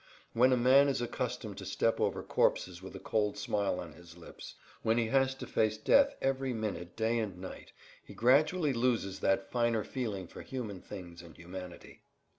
[Pg 81] When a man is accustomed to step over corpses with a cold smile on his lips, when he has to face death every minute day and night, he gradually loses that finer feeling for human things and humanity.